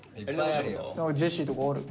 ジェシーとかある？